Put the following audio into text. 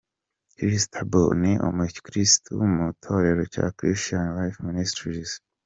Christabel ni umukristu mu itorero cya Christian Life Ministry.